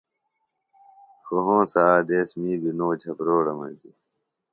خوۡ ہونسہ آ دیس می بیۡ نو جھبروڑہ مجیۡ۔